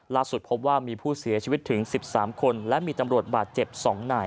พบว่ามีผู้เสียชีวิตถึง๑๓คนและมีตำรวจบาดเจ็บ๒นาย